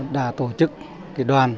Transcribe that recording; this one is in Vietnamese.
đã tổ chức đoàn